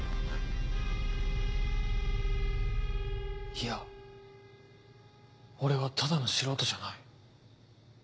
いや俺はただの素人じゃない。